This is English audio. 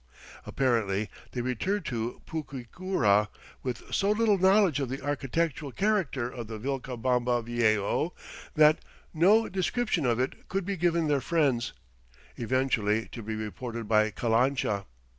Apparently they returned to Puquiura with so little knowledge of the architectural character of "Vilcabamba Viejo" that no description of it could be given their friends, eventually to be reported by Calancha.